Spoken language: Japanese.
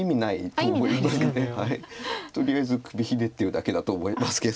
とりあえず首ひねってるだけだと思いますけど。